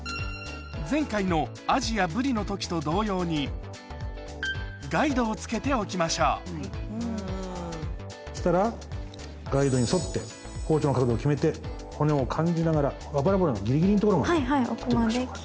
前回のアジやブリの時と同様にガイドをつけておきましょうそしたらガイドに沿って包丁の角度を決めて骨を感じながらあばら骨のぎりぎりの所まで切っときましょうか。